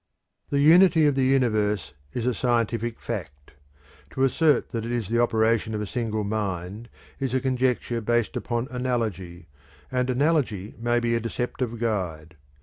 The unity of the universe is a scientific fact. To assert that it is the operation of a single mind is a conjecture based upon analogy, and analogy may be a deceptive guide.